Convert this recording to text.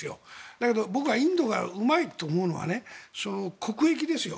だけど僕はインドがうまいと思うのは国益ですよ。